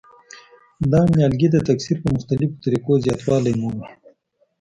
دا نیالګي د تکثیر په مختلفو طریقو زیاتوالی مومي.